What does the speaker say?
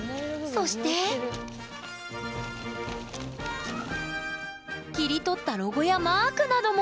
そして切り取ったロゴやマークなども！